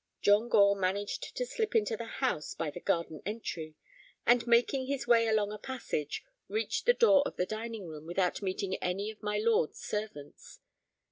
John Gore managed to slip into the house by the garden entry, and making his way along a passage, reached the door of the dining room without meeting any of my lord's servants.